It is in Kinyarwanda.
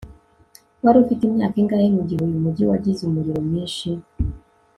Wari ufite imyaka ingahe mugihe uyu mujyi wagize umuriro mwinshi